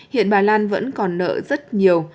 hiện bà lan vẫn còn nợ rất nhiều